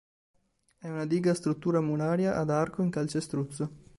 È una diga a struttura muraria ad arco in calcestruzzo.